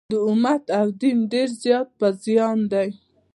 د امت او دین ډېر زیات په زیان دي.